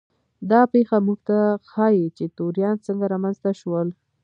دا پېښه موږ ته ښيي چې توریان څنګه رامنځته شول.